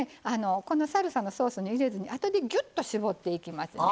このサルサのソースに入れずにあとでギュッと搾っていきますね。